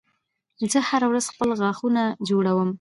زه هره ورځ خپل غاښونه جوړوم